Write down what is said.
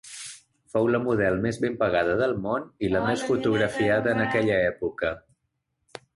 Fou la model més ben pagada del món i la més fotografiada en aquella època.